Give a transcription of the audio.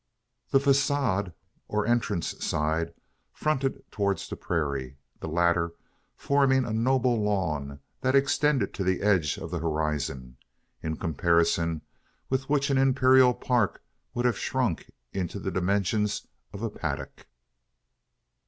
The facade, or entrance side, fronted towards the prairie the latter forming a noble lawn that extended to the edge of the horizon in comparison with which an imperial park would have shrunk into the dimensions of a paddock.